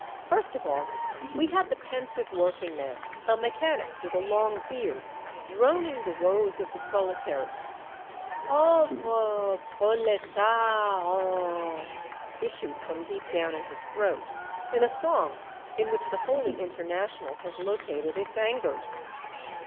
First of all, we had the pensive working man, a mechanic with a long beard, droning the woes of the proletary. ^' P auvro proUtair o o o " issued from deep down in his throat, in a song in which the Holy International has located its angers.